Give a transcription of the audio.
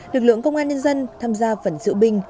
lực lượng công an nhân dân tham gia phần diễu binh